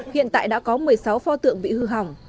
hiện tại đã có một mươi sáu pho tượng bị hư hỏng